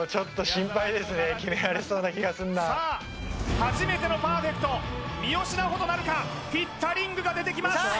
初めてのパーフェクト三好南穂となるかピッタリングが出てきます